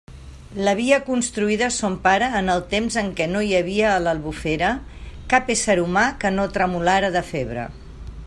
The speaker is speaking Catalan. L'havia construïda son pare en els temps en què no hi havia a l'Albufera cap ésser humà que no tremolara de febre.